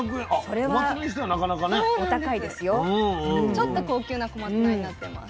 ちょっと高級な小松菜になってます。